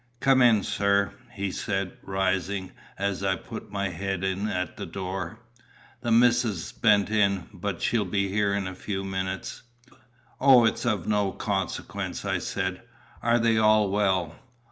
"Come in, sir," he said, rising, as I put my head in at the door. "The mis'ess ben't in, but she'll be here in a few minutes." "O, it's of no consequence," I said. "Are they all well?"